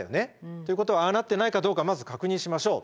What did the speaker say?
ということはああなってないかどうかまず確認しましょう。